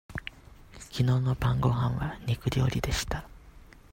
きのうの晩ごはんは肉料理でした。